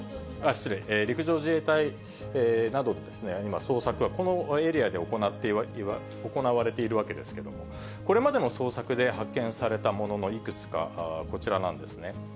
失礼、陸上自衛隊など、今、捜索はこのエリアで行われているわけですけれども、これまでの捜索で発見されたもののいくつか、こちらなんですね。